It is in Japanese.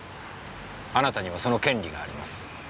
あなたにはその権利があります。